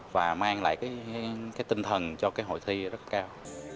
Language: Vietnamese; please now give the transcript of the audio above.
và mang lại cái tinh thần cho cái hội thi rất cao